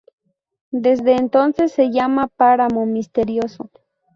Desde entonces se llama Páramo Misterioso.